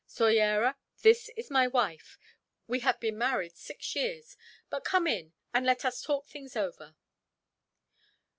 "Soyera, this is my wife. We have been married six years; but come in, and let us talk things over.